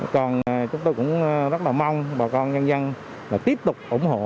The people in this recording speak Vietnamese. còn chúng tôi cũng rất là mong bà con nhân dân là tiếp tục ủng hộ